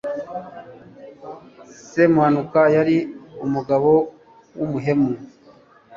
semuhanuka yari umugabo w'umuhemu